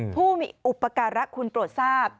ผู้มีอุปกรณ์ละคุณโตรศาสตร์